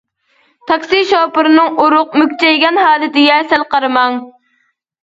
تاكسى شوپۇرىنىڭ ئورۇق، مۈكچەيگەن ھالىتىگە سەل قارىماڭ.